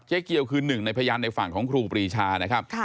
เกียวคือหนึ่งในพยานในฝั่งของครูปรีชานะครับ